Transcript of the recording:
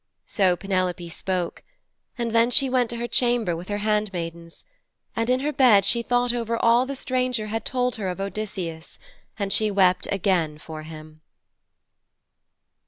So Penelope spoke, and then she went to her chamber with her handmaidens. And in her bed she thought over all the stranger had told her of Odysseus, and she wept again for him.